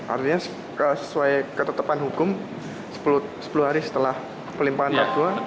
artinya sesuai ketetapan hukum sepuluh hari setelah pelimpahan narkoba